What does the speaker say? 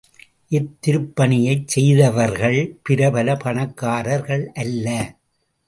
இத்திருப்பணியைச் செய்தவர்கள் பிரபல பணக்காரர்கள் அல்ல.